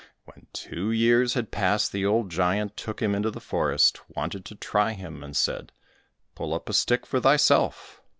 When two years had passed, the old giant took him into the forest, wanted to try him, and said, "Pull up a stick for thyself."